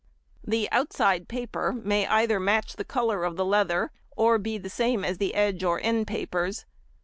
The outside paper may either match the colour of the leather, or be the same as the edge or end papers.